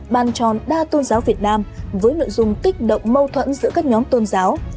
bàn tròn đa tôn giáo việt nam với nội dung kích động mâu thuẫn giữa các nhóm tôn giáo